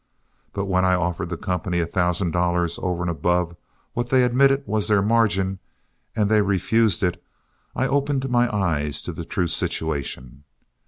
But when I offered the company a thousand dollars over and above what they admitted was their margin, and they refused it, I opened my eyes to the true situation.